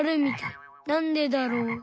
なんでだろう？